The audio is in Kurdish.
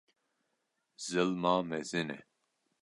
zilma mezin e.